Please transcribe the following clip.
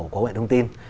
của mọi thông tin